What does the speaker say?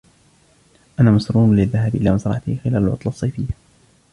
انا مسرور للذهاب الى مزرعته خلال العطلة الصيفية.